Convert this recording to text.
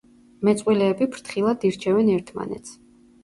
მეწყვილეები ფრთხილად ირჩევენ ერთმანეთს.